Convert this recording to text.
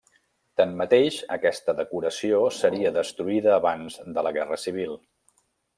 Tanmateix, aquesta decoració seria destruïda abans de la Guerra Civil.